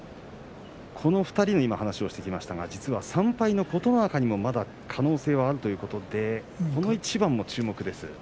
この２人の話をしてきましたが実は３敗の琴ノ若にもまだ可能性があるということでこの一番も注目です。